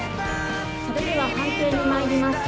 それでは判定にまいります。